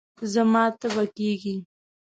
زما تبه کېږي